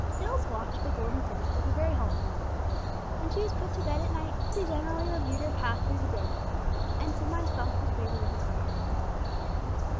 Jill's walk to the Golden City was a very halting one. When she was put to bed at night she generally reviewed her path through the day, and sometimes Bumps was favoured with her confidences.